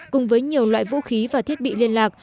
cùng với nhiều loại vũ khí và thiết bị liên lạc